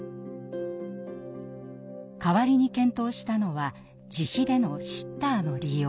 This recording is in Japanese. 代わりに検討したのは自費でのシッターの利用。